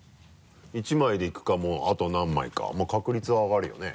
１枚でいくかもうあと何枚か確率は上がるよね。